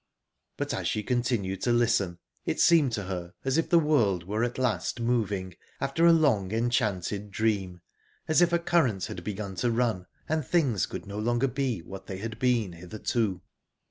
But as she continued to listen it seemed to her as if the world were at last moving, after a long, enchanted dream as if a current had begun to run, and things could no longer be what they had been hitherto...